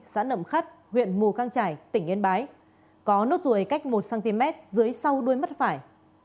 xã nậm khắt huyện mù căng trải tỉnh yên bái có nốt ruồi cách một cm dưới sau đuôi mắt phải